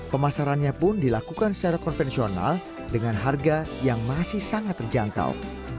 pemasarannya pun dilakukan secara konvensional dengan harga yang masih sangat terjangkau